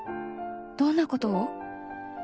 どんなことを？